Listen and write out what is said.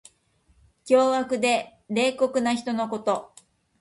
凶悪で冷酷な人のこと。